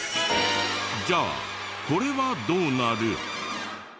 じゃあこれはどうなる？